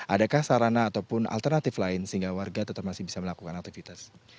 adakah sarana ataupun alternatif lain sehingga warga tetap masih bisa melakukan aktivitas